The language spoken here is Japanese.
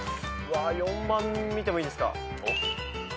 ４番見てもいいですか。